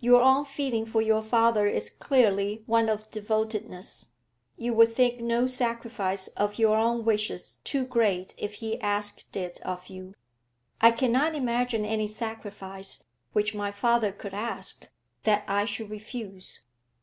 Your own feeling for your father is clearly one of devotedness. You would think no sacrifice of your own wishes too great if he asked it of you.' 'I cannot imagine any sacrifice, which my father could ask, that I should refuse.'